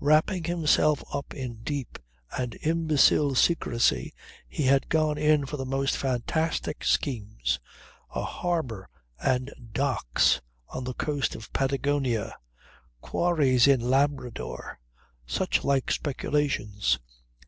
Wrapping himself up in deep and imbecile secrecy he had gone in for the most fantastic schemes: a harbour and docks on the coast of Patagonia, quarries in Labrador such like speculations.